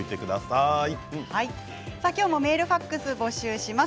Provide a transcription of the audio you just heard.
今日もメールファックスを募集します。